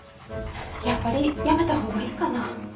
やっぱりやめた方がいいかな？